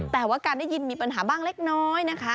แต่ว่าการได้ยินมีปัญหาบ้างเล็กน้อยนะคะ